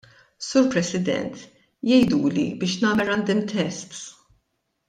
Sur President, jgħiduli biex nagħmel random tests.